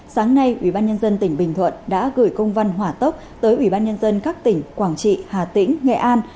sáng nay ubnd tỉnh bình thuận đã gửi công văn hỏa tốc tới ubnd các tỉnh quảng trị hà tĩnh nghệ an